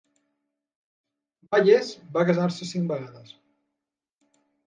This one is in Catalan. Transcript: Bayes va casar-se cinc vegades.